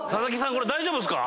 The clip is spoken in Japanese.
これ大丈夫っすか？